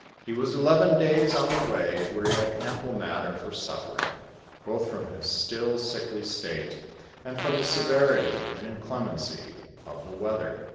He was eleven days on the way, where he had ample matter for suffering, both from his still sickly state, and from the sever ity and inclemency of the weather.